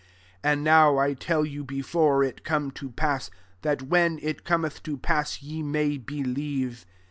29 And now I tell you, before it come to pass, that, when it Cometh to pass, ye may believe.